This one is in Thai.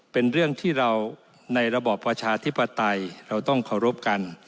เป็นเรื่องที่เราในระบอบประชาธิปไตยเราต้องเคารพกัน